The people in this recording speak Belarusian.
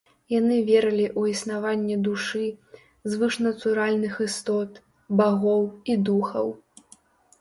Яны верылі ў існаванне душы, звышнатуральных істот, багоў і духаў.